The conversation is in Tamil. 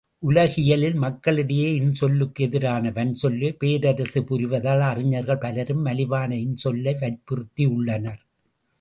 உலகியலில் மக்களிடையே இன்சொல்லுக்கு எதிரான வன்சொல்லே பேரரசு புரிவதால், அறிஞர்கள் பலரும் மலிவான இன்சொல்லை வற்புறுத்தியுள்ளனர்.